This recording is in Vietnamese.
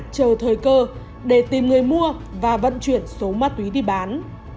chờ thời cơ để tìm người mua và vận chuyển số ma túy đi bán